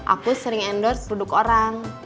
aku sering endorse duduk orang